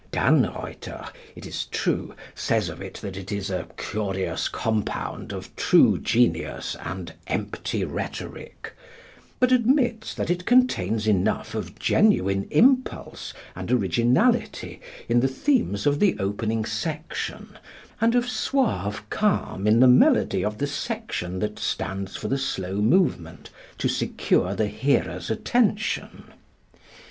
Dannreuther, it is true, says of it that it is "a curious compound of true genius and empty rhetoric," but admits that it contains enough of genuine impulse and originality in the themes of the opening section, and of suave calm in the melody of the section that stands for the slow movement, to secure the hearer's attention.